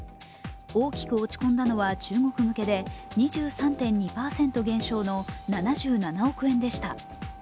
大きく落ち込んだのは中国向けで２３．２％減少の７７億円でした。